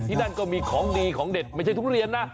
นั่นก็มีของดีของเด็ดไม่ใช่ทุเรียนนะ